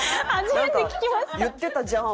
「言ってたじゃん？」